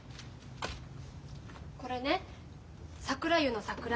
これね桜湯の桜。